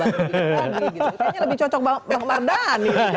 kayaknya lebih cocok bang mardhani